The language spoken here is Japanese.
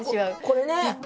これね。